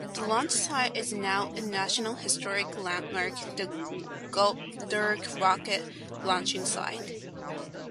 The launch site is now a National Historic Landmark, the Goddard Rocket Launching Site.